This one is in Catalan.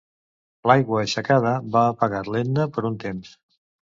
L'aigua aixecada va apagar l'Etna per un temps.